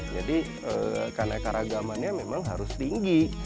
jadi karnaika ragamannya memang harus tinggi